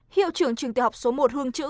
hiệu trưởng trường tiểu học số một hương chữ